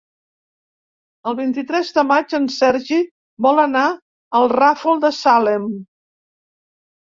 El vint-i-tres de maig en Sergi vol anar al Ràfol de Salem.